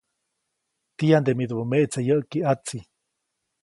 Tiyande midubä meʼtse yäʼki ʼatsi.